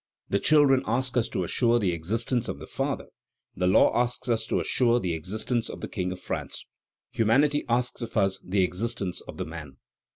The children ask us to assure the existence of the father; the law asks us to assure the existence of the King of France; humanity asks of us the existence of the man.